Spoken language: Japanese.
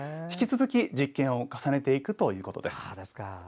引き続き実験を重ねていくということです。